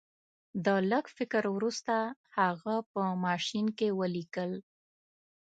د لږ فکر وروسته هغه په ماشین کې ولیکل